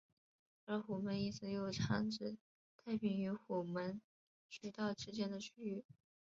而虎门一词又常指太平与虎门水道之间的区域。